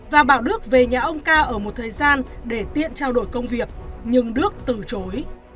và bảo đức về nhà ông ca ở một thời gian để tiện trao đổi công việc nhưng đức từ chối